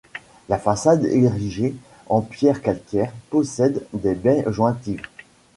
La façade érigée en pierre calcaire possède des baies jointives.